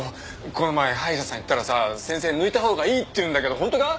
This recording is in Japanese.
この前歯医者さん行ったらさ先生抜いたほうがいいって言うんだけど本当か？